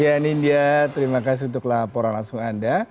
ya nindya terima kasih untuk laporan langsung anda